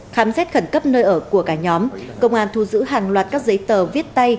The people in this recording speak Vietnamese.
khám xét khẩn cấp nơi ở của cả nhóm công an thu giữ hàng loạt các giấy tờ viết tay